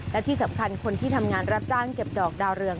และที่สำคัญคนที่ทำงานรับจ้างเก็บดอกดาวเรือง